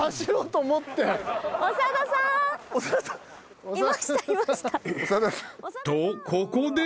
［とここで］